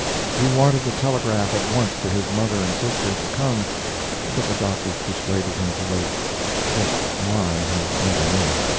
He wanted to telegraph at once to his mother and sister to come, but the doctors persuaded him to wait just why, he never knew.